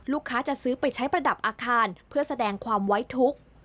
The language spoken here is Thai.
จะซื้อไปใช้ประดับอาคารเพื่อแสดงความไว้ทุกข์